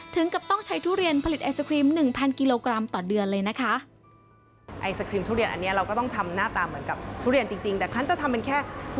ถึงกับต้องใช้ทุเรียนผลิตไอศครีม๑๐๐กิโลกรัมต่อเดือนเลยนะคะ